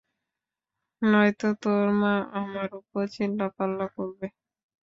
নয়তো তোর মা আমার উপর চিল্লাপাল্লা করবে।